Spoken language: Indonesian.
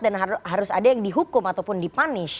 dan harus ada yang dihukum ataupun dipunish